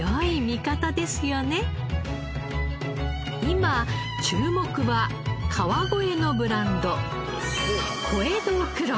今注目は川越のブランド。